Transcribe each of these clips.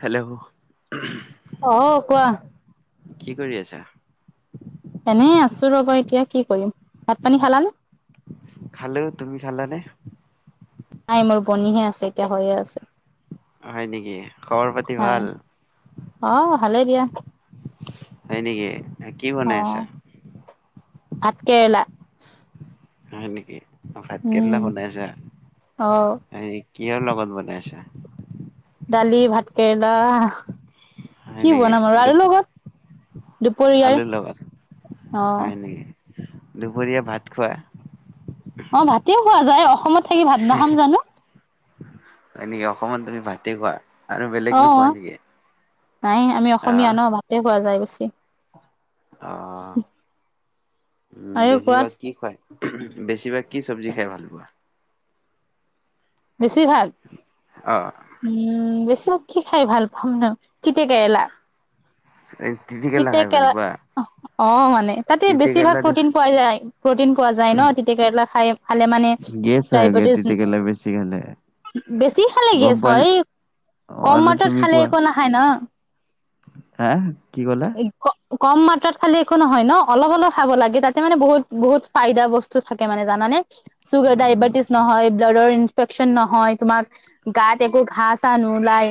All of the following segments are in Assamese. হেল্ল' উমহ অ' কোৱা কি কৰি আছা? এনেই আছো ৰবা এতিয়া কি কৰিম ভাত পানী খালানে? খালো, তুমি খালানে? নাই মোৰ বনিহে আছে এতিয়া হৈয়ে আছে। হয় নেকি, খবৰ পাতি হয় ভাল? অ' ভালেই দিয়া হয় নেকি কি বনাই আছা? অ' ভাত কেৰেলা হয় নেকি অ' ভাত উম, কেৰেলা বনাইছা, অ', হেৰি কিহৰ লগত বনাইছা? দালি ভাত কেৰেলা হয় কি নেকি বনাম আৰু আৰু দুপ লগত দুপৰীয়াৰ আলু লগত অ', হয় নেকি দুপৰীয়া ভাত খোৱা অ' ভাতেও খোৱা যায় অসমত থাকি ভাত নাখাম জানো হয় নেকি অসমত তুমি ভাতে খোৱা আৰু বেলেগ নোখোৱা অ', নেকি নাই আমি অসমীয়া আহ ন ভাতে খোৱা যায় বেছি। অ' উম আৰু কোৱাত বেছিভাগ কি খোৱায়? বেছিভাগ কি চৱজি খাই ভাল পোৱা? বেছি ভাগ অ উম বেছিভাগ কি খাই ভাল পাম ন তিতা কেৰেলা এই তিতা কেৰেলা খাই ভাল পোৱা অ' মানে। তাতে বেছিভাগ তিতিকেৰেলা দেখোন প্ৰটিন পোৱা যায় প্ৰটিন পোৱা যায় ন তিতা কেৰেলা খাই খালে মানে। গেছ হয় গে ডায়বেটিছ তিতা কেৰেলা বেছি খালে। বেছি খালে গম গেছ পোৱা নে হয়, কম আৰু মাত্ৰত খালে একো নাখায় ন। হে কি কলা? কম মাত্ৰাত খালে একো নহয় ন অলপ অলপ খাব লাগে তাতে মানে বহুত বহুত ফাইদা বস্তু থাকে মানে জানানে? চুগাৰ উম ডায়বেটিছ নহয় ব্লাডৰ ইনফেকচন নহয় তোমাৰ গাত একো ঘাঁ চাহ নোলাই,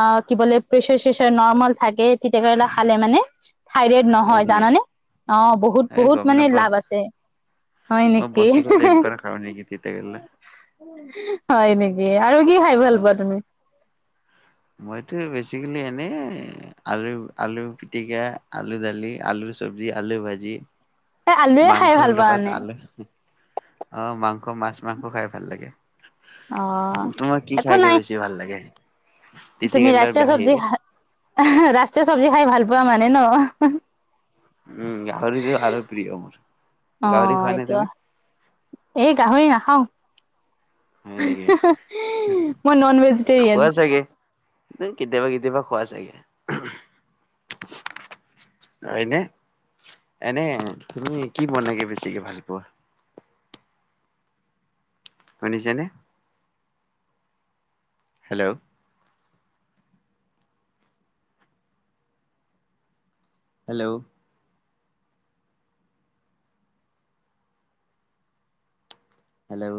অ' কি বোলে প্ৰেচাৰ চেচাৰ নৰ্মেল থাকে তিতা কে খালে মানে থাইৰেড হয় নহয় নেকি জানানে, অ' বহুত এই বহুত গম মানে নাপাও লাভ আছে। হয় মই নেকি বছৰত [unintelligible] একবাৰ খাওঁ নেকি তিতা কেৰেলা হয় নেকি আৰু কি খাই ভাল পোৱা তুমি? মইতো বেছিকেলি এনেই আলু আলু পিটিকা আলু দালি আলু চব্জি আলু ভাজি। এ আলুৱে খাই মাংসৰ ভাল পোৱা মানে? [inaudible] অ' মাংস মাছ মাংস খাই ভাল লাগে, অ তোমাৰ কি একো খাইগে নাই বেছি চি ভাল লাগে? তিতা তুমি কেৰেলাৰ ৰাষ্ট্ৰীয় চব্জি বাহিৰে খাই ৰাষ্ট্ৰীয় চব্জি খাই ভাল পোৱা মানে ন? উম গাহৰিটো আৰু প্ৰিয় মোৰ, অ গাহৰি খোৱা নে এইটো তুমি? এই গাহৰি নাখাও। হয় নেকি, মই নন ভেজিটেৰিয়ান খোৱা চাগে? ন কেতিয়াবা কেতিয়াবা খোৱা চাগে? হয়নে, এনে তুমি কি বনাগে বেছিকে ভাল পোৱা? শুনিছানে? হেল্ল'। হেল্ল'। হেল্ল'।